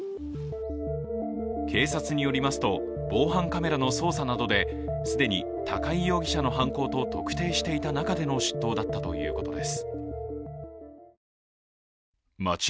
警察によりますと、防犯カメラの捜査などで既に高井容疑者の犯行と特定していた中での出頭だったということです。